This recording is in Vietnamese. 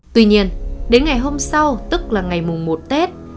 tuy nhiên đến ngày hôm sau tức là ngày mùng một tết